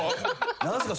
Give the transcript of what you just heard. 何すか？